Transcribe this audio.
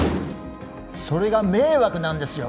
それが迷惑なんですよ